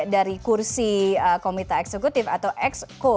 dari kursi komite eksekutif atau exco